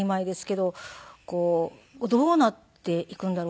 どうなっていくんだろう？